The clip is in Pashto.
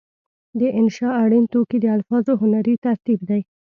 د انشأ اړین توکي د الفاظو هنري ترتیب دی.